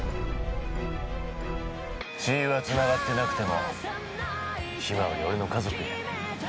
血はつながってなくても向日葵は俺の家族や。